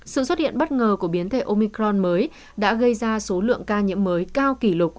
sự xuất hiện bất ngờ của biến thể omicron mới đã gây ra số lượng ca nhiễm mới cao kỷ lục